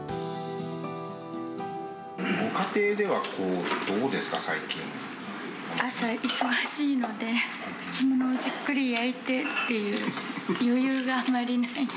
ご家庭ではどうですか、朝、忙しいので、干物をじっくり焼いてっていう余裕があんまりない。